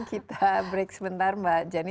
kita break sebentar mbak jenny